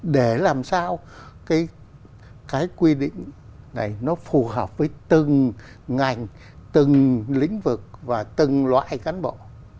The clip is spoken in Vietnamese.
để làm sao cái quy định này nó phù hợp với từng ngành từng lĩnh vực và từng loại cán bộ